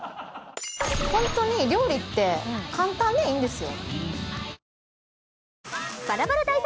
本当に料理って簡単でいいんですよ。